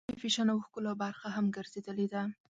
بادرنګ د فیشن او ښکلا برخه هم ګرځېدلې ده.